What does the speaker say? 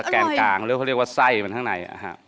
แกนกลางใช่